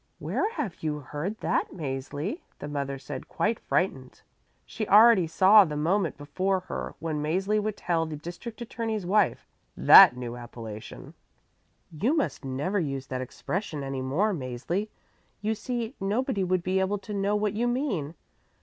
"Where have you heard that, Mäzli?" the mother said, quite frightened. She already saw the moment before her when Mäzli would tell the district attorney's wife that new appellation. "You must never use that expression any more, Mäzli. You see, nobody would be able to know what you mean.